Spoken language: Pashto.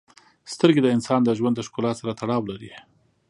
• سترګې د انسان د ژوند د ښکلا سره تړاو لري.